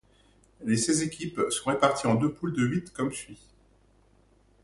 Les seize équipes sont réparties en deux poules de huit comme suit.